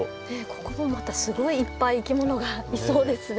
ここもまたすごいいっぱいいきものがいそうですね。